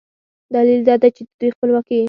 دلیل دا دی چې د دوی خپلواکي